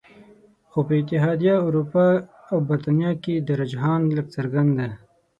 خو په اتحادیه اروپا او بریتانیا کې دا رجحان لږ څرګند دی